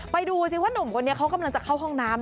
ดูสิว่าหนุ่มคนนี้เขากำลังจะเข้าห้องน้ำ